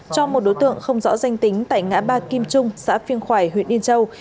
cho một đối tượng không rõ danh tính tại ngã ba kim trung xã phiêng khoài huyện yên châu